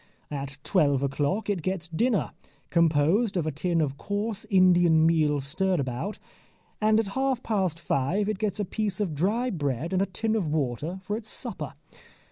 At twelve o'clock it gets dinner, composed of a tin of coarse Indian meal stirabout, and at half past five it gets a piece of dry bread and a tin of water for its supper.